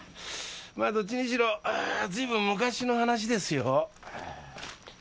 どっちにしろ随分昔の話ですよ。